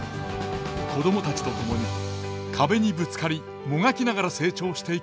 子供たちと共に壁にぶつかりもがきながら成長していく学園ドラマ。